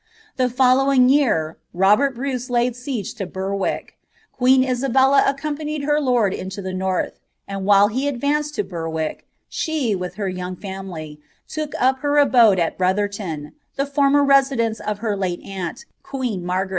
Thu following year Kobwt Bruce laid viege to Berwick. Quna Sm bella accompanied her lord Inta the tiurih, and while b* idnaeai H Berwick, she, with her young family, look up her abods at BwnhmWi the former residence of her Utc Btiim qaem MargwK.